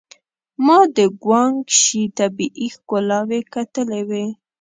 ما د ګوانګ شي طبيعي ښکلاوې کتلې وې.